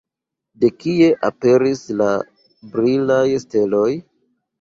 De kie aperis la brilaj steloj?